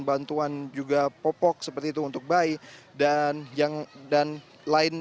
bantuan juga popok seperti itu untuk bayi